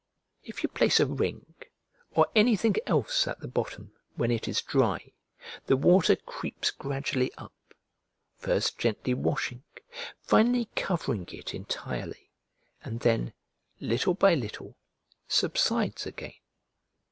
If you place a ring, or anything else at the bottom, when it is dry, the water creeps gradually up, first gently washing, finally covering it entirely, and then little by little subsides again.